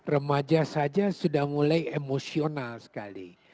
remaja saja sudah mulai emosional sekali